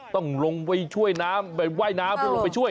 ต้องลงไปช่วยน้ำไปว่ายน้ำเพื่อลงไปช่วย